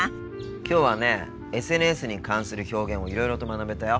きょうはねＳＮＳに関する表現をいろいろと学べたよ。